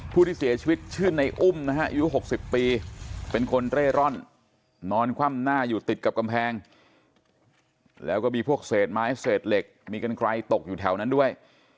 ที่เสียชีวิตชื่อในอุ้มนะฮะอายุ๖๐ปีเป็นคนเร่ร่อนนอนคว่ำหน้าอยู่ติดกับกำแพงแล้วก็มีพวกเศษไม้เศษเหล็กมีกันไกลตกอยู่แถวนั้นด้วย